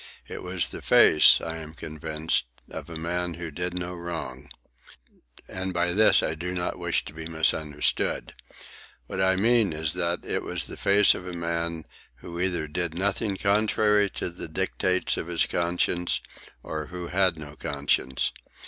It was the face, I am convinced, of a man who did no wrong. And by this I do not wish to be misunderstood. What I mean is that it was the face of a man who either did nothing contrary to the dictates of his conscience, or who had no conscience.